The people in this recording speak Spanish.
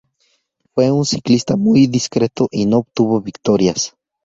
Fue un ciclista muy discreto y no obtuvo victorias.